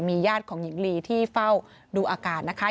ญาติของหญิงลีที่เฝ้าดูอาการนะคะ